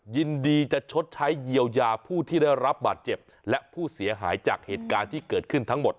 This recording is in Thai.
ยินดีจะชดใช้เยียวยาผู้ที่ได้รับบาดเจ็บและผู้เสียหายจากเหตุการณ์ที่เกิดขึ้นทั้งหมด